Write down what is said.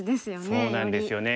そうなんですよね。